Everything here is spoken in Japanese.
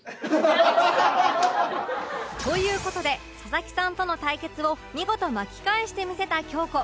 という事で佐々木さんとの対決を見事巻き返してみせた京子